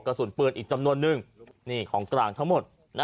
กระสุนปืนอีกจำนวนนึงนี่ของกลางทั้งหมด